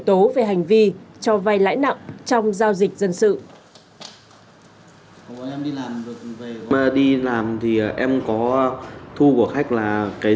thủy bắt và khởi thủy